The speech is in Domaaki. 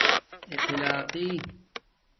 اخلاقݵ